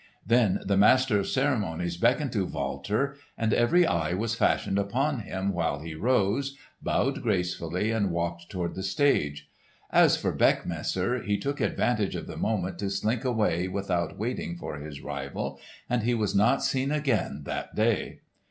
Then the Master of Ceremonies beckoned to Walter, and every eye was fastened upon him while he rose, bowed gracefully and walked toward the stage. As for Beckmesser he took advantage of the moment to slink away without waiting for his rival, and he was not seen again that day!